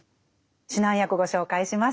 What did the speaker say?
指南役ご紹介します。